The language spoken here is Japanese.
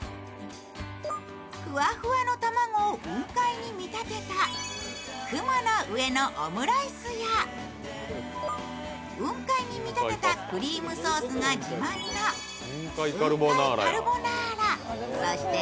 ふわふわの卵を雲海に見立てた雲の上のオムライスや雲海に見立てたクリームソースが自慢の、雲海カルボナーラ。